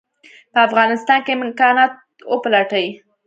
په افغانستان کې امکانات وپلټي.